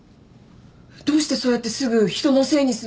どうしてそうやってすぐ人のせいにすんの？